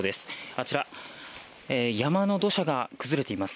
あちら山の土砂が崩れています。